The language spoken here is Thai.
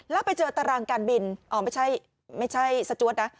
แล้วไปเจอตารางการบินอ๋อไม่ใช่สจวดนะ